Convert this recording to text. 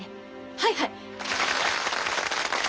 はいはいっ。